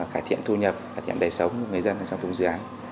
cải thiện thu nhập cải thiện đầy sống của người dân trong cùng dự án